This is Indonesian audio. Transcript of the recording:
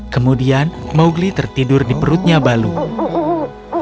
kemudian mowgli tertidur di perutnya balue